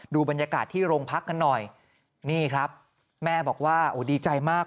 ดูบรรยากาศที่โรงพักกันหน่อยนี่ครับแม่บอกว่าโอ้ดีใจมาก